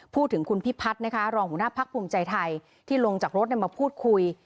พูดถึงคุณพิพัฒน์นะคะรองหัวหน้าพักภูมิใจไทยที่ลงจากรถมาพูดคุย